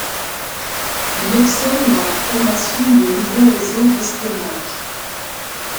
Il excelle dans la formation de nouveaux réseaux d’espionnage.